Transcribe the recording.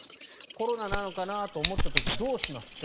コロナなのかなと思った時どうしますか。